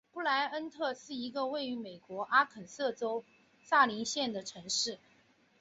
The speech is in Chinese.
布赖恩特是一个位于美国阿肯色州萨林县的城市。